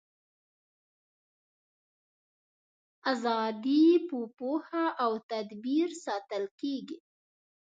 ازادي په پوهه او تدبیر ساتل کیږي.